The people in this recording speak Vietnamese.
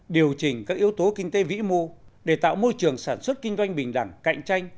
điều chỉnh các yếu tố kinh tế vĩ mô để tạo môi trường sản xuất kinh doanh bình đẳng cạnh tranh